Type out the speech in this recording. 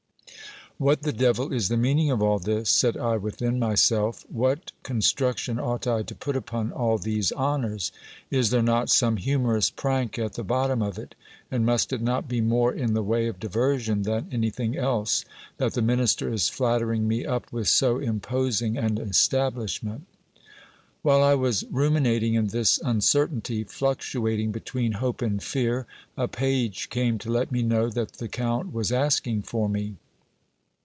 What the devil is the meaning of all this? said I within myself. What con struction ought I to put upon all these honours ? Is there not some humorous frank at the bottom of it? and must it not be more in the way of diversion than anything else, that the minister is flattering me up with so imposing an estab lishment? While I was ruminating in this uncertainty, fluctuating between hope and fear, a page came to let me know that the count was asking for me.